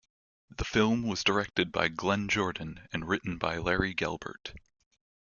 The film was directed by Glenn Jordan and written by Larry Gelbart.